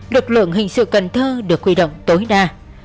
lực lượng hình sự cần thơ được huy động tối đa